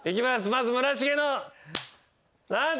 まず村重の。